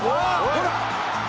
ほら！